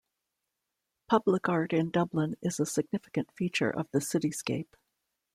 Public art in Dublin is a significant feature of the cityscape.